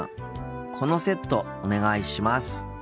このセットお願いします。